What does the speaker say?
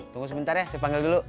tunggu sebentar ya saya panggil dulu